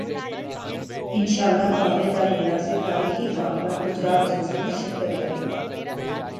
انشا ءاللہ بابے دا ڈیرہ سے تا ریخی قافلہ گجرات جلسہ میں شر کت کر ے گا